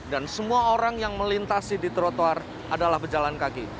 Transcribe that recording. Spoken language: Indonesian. dan semua orang yang melintasi di trotoar adalah pejalan kaki